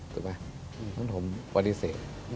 ถูกไหมฉะนั้นผมปฏิเสธ